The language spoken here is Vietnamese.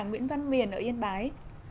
nguyễn văn miền ở yên bái